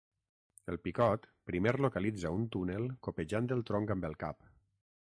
El picot primer localitza un túnel copejant el tronc amb el cap.